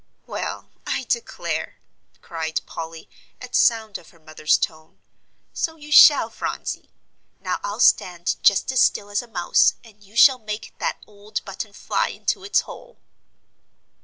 "Well, I declare," cried Polly, at sound of her mother's tone; "so you shall, Phronsie. Now I'll stand just as still as a mouse, and you shall make that old button fly into its hole."